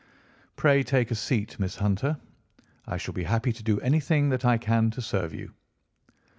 "Pray take a seat, Miss Hunter. I shall be happy to do anything that I can to serve you."